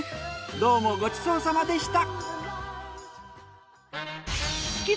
どうもごちそうさまでした。